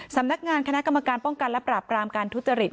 สำนักงานคณะกรรมการป้องกันและปราบกรามการทุจริต